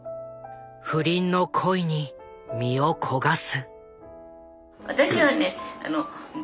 不倫の恋に身を焦がす。